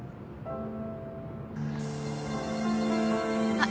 あっ。